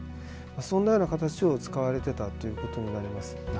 そんなような形で使われていたということになります。